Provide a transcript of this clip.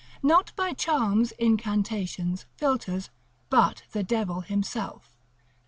not by charms, incantations, philters, but the devil himself; lib.